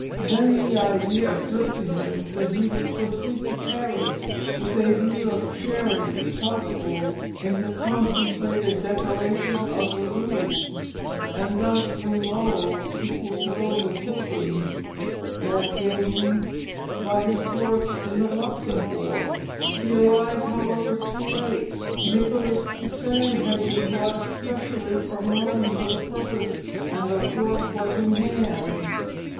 Then the idea occurred to him that he would proceed to Paris, with a view of sharing, if possible, in the contemplated decoration of the Louvre, and thus win laurels equal to those Rubens had gained by his works in the Luxembourg. He arrived, however, too late: Nicholas Poussin had been brought specially from Rome for the purpose, and the work was in hand.